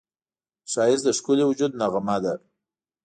ښایست د ښکلي وجود نغمه ده